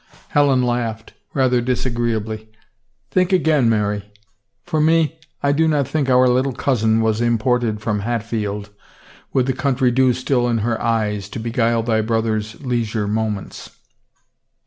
Helen laughed, rather disagreeably. " Think again, Mary. For me, I do not think our little cousin was im ported from Hatfield, with the country dew still in her eyes, to beguile thy brother's leisure moments.